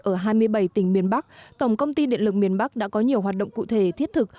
ở hai mươi bảy tỉnh miền bắc tổng công ty điện lực miền bắc đã có nhiều hoạt động cụ thể thiết thực